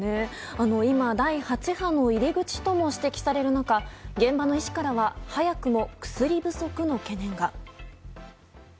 今、第８波の入り口とも指摘される中、現場の医師からは早くも薬不足の懸念が。